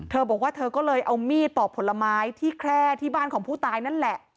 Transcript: เธอบอกว่าเธอก็เลยเอามีดปอกผลไม้ที่แคร่ที่บ้านของผู้ตายนั่นแหละ